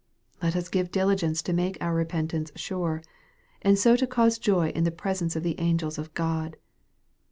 Let us give diligence to make our repentance sure, and so to cause joy in the presence of the angels of God.